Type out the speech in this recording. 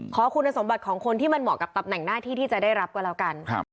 ขอคุณสมบัติของคนที่มันเหมาะกับตำแหน่งหน้าที่ที่จะได้รับก็แล้วกัน